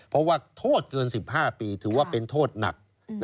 เพราะว่าโทษเกิน๑๕ปีถือว่าเป็นโทษหนัก